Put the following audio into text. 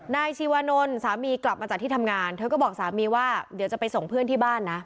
ชีวานนท์สามีกลับมาจากที่ทำงานเธอก็บอกสามีว่าเดี๋ยวจะไปส่งเพื่อนที่บ้านนะ